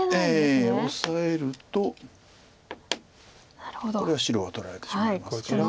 オサえるとこれは白が取られてしまいますから。